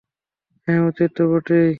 হ্যাঁ, উচিত তো বটেই।